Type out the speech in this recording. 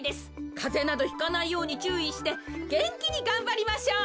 かぜなどひかないようにちゅういしてげんきにがんばりましょう。